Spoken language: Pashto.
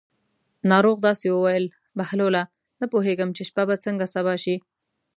ناروغ داسې وویل: بهلوله نه پوهېږم چې شپه به څنګه سبا شي.